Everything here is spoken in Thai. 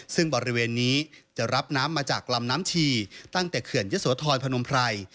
ซึ่งบริเวณนี้จะรับน้ำมาจากลำน้ำชีตั้งแต่เขื่อนยะโสธรพนมไพร